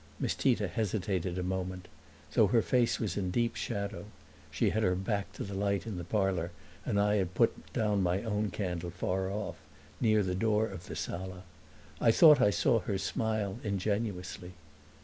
Miss Tita hesitated a moment; though her face was in deep shadow (she had her back to the light in the parlor and I had put down my own candle far off, near the door of the sala), I thought I saw her smile ingenuously.